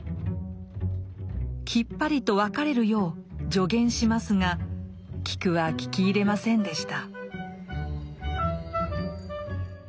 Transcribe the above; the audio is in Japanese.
きっぱりと別れるよう助言しますがキクは聞き入れませんでした。